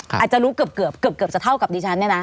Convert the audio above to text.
อาจจะรู้เกือบจะเท่ากับดิฉันเนี่ยนะ